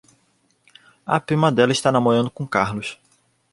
A prima dela está namorando com o Carlos.